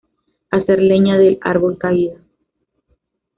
Hacer leña del árbol caído